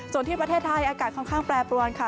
ส่วนที่ประเทศไทยอากาศค่อนข้างแปรปรวนค่ะ